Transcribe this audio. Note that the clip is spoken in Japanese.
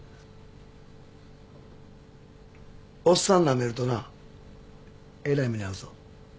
おっさんなめるとなえらい目に遭うぞ。